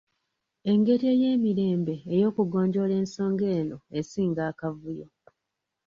Engeri ey'emirembe ey'okugonjoola ensonga eno esinga akavuyo.